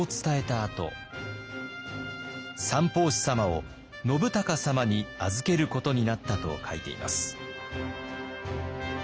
あと「三法師様を信孝様に預けることになった」と書いています。